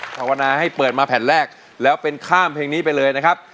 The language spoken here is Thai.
ภาวนาให้เปิดมาแผ่นแรกแล้วเป็นข้ามเพลงนี้ไปเลยนะครับ